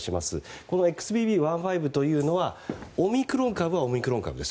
このＸＢＢ．１．５というのはオミクロン株はオミクロン株です。